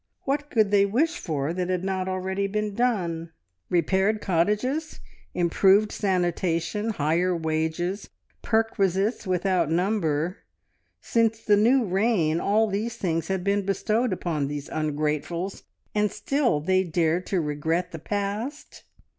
"What could they wish for that had not already been done?" Repaired cottages, improved sanitation, higher wages, perquisites without number since the new reign all these things had been bestowed upon these ungratefuls, and still they dared to regret the past!